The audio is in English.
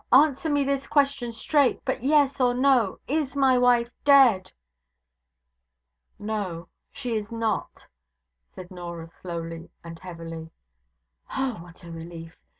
answer me this question straight, by yes or no Is my wife dead?' 'No, she is not,' said Norah, slowly and heavily. 'Oh, what a relief!